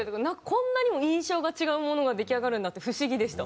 こんなにも印象が違うものが出来上がるんだって不思議でした。